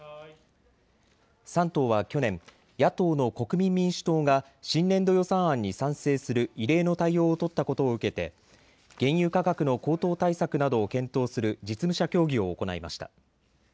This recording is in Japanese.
３党は去年、野党の国民民主党が新年度予算案に賛成する異例の対応を取ったことを受けて原油価格の高騰対策などを検討する実務者協議を行いました。